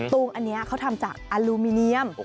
ตูงอันนี้เขาทำจากอลูมิเนียม